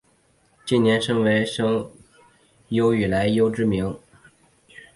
近年身为声优愈来愈知名。